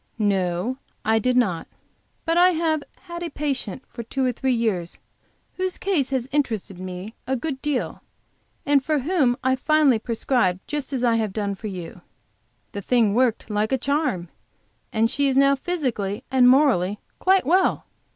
"No, I did not. But I have had a patient for two or three years whose case has interested me a good deal, and for whom I finally prescribed just as I have done for you. The thing worked like a charm, and she is now physically and morally quite well.